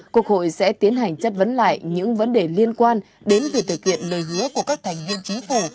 quốc hội sẽ tiến hành chất vấn lại những vấn đề liên quan đến việc thực hiện lời hứa của các thành viên chính phủ